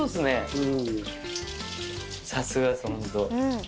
さすがですホント。